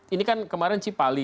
ini kan kemarin cipali